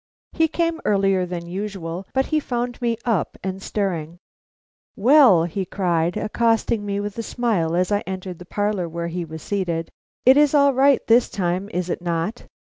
He came earlier than usual, but he found me up and stirring. "Well," he cried, accosting me with a smile as I entered the parlor where he was seated, "it is all right this time, is it not?